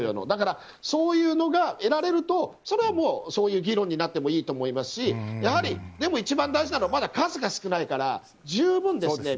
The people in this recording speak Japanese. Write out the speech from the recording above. だから、そういうのが得られるとそれはそういう議論になってもいいと思いますが一番大事なのはまだ数が少ない。